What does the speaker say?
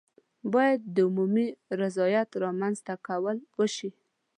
باید د عمومي رضایت رامنځته کول وشي.